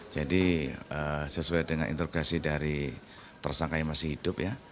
jadi sesuai dengan integrasi dari tersangka yang masih hidup ya